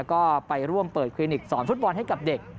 ก็ไปร่วมเปิดคลินิกสอนฟุตบอลให้กับเด็ก